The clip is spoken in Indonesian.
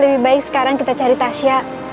lebih baik sekarang kita cari tasya